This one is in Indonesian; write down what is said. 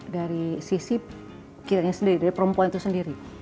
dari sisi kiranya sendiri dari perempuan itu sendiri